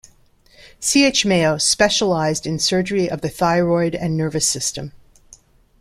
C. H. Mayo specialized in surgery of the thyroid and nervous system.